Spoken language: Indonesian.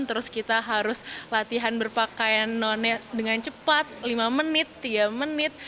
terus kita harus latihan berpakaian none dengan cepat lima menit tiga menit